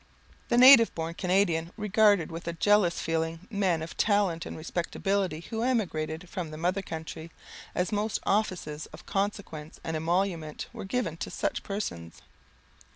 The native born Canadian regarded with a jealous feeling men of talent and respectability who emigrated from the mother country, as most offices of consequence and emolument were given to such persons.